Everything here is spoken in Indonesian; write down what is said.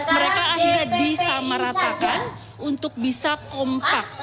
mereka akhirnya disamaratakan untuk bisa kompak